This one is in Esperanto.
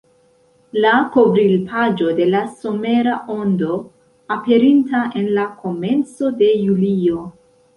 La kovrilpaĝo de la somera Ondo, aperinta en la komenco de julio.